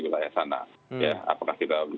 wilayah sana apakah kita